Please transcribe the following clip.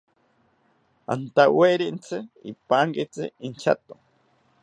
Antawerintzi ipankitzi inchato